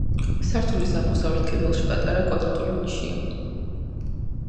სართულის აღმოსავლეთ კედელში პატარა კვადრატული ნიშია.